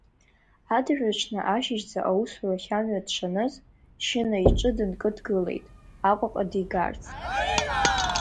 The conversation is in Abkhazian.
Адырҩаҽны ашьыжьӡа аусурахь амҩа дшаныз, Шьына иҿы дынкыдгылеит, Аҟәаҟа дигарц.